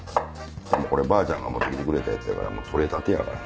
こればあちゃんが持って来てくれたやつやから取れたてやから。